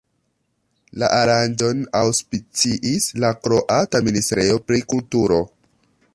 La aranĝon aŭspiciis la kroata Ministrejo pri Kulturo.